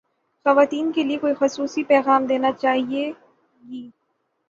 خواتین کے لئے کوئی خصوصی پیغام دینا چاہیے گی